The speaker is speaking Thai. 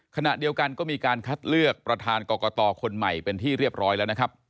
ขณะเดียวกันก็มีการคัดเลือกประธานกรกตคนใหม่เป็นที่เรียบร้อยแล้วนะครับ